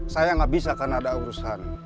saya nggak bisa karena ada urusan